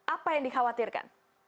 apa yang dikhawatirkan